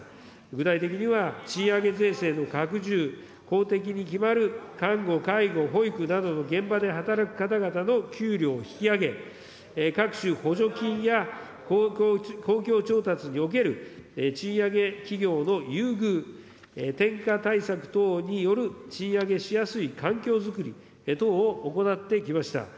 具体的には、賃上げ税制の拡充、公的に決まる看護、介護、保育などの現場で働く方々の給料引き上げ、各種補助金や公共調達における賃上げ企業の優遇、てんか対策等による賃上げしやすい環境づくり等を行ってきました。